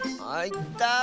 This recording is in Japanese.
あいた！